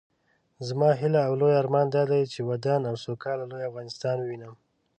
زما هيله او لوئ ارمان دادی چې ودان او سوکاله لوئ افغانستان ووينم